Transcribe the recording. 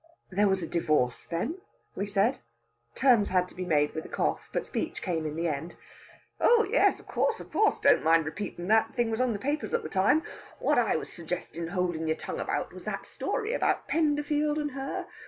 "There was a divorce, then?" we said. Terms had to be made with the cough, but speech came in the end. "Oh yes, of course of course! Don't mind repeatin' that thing was in the papers at the time. What I was suggestin' holdin' your tongue about was that story about Penderfield and her....